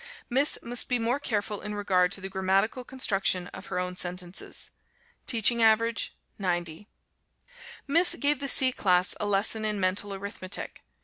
Miss must be more careful in regard to the grammatical construction of her own sentences. Teaching average 90. Miss gave the C class a lesson in Mental Arithmetic.